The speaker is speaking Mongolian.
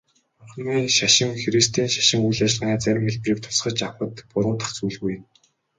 Бурханы шашин христийн шашны үйл ажиллагааны зарим хэлбэрийг тусгаж авахад буруудах зүйлгүй.